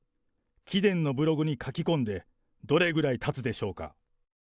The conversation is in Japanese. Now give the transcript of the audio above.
貴殿のブログに書き込んで、どれぐらいたつでしょうか。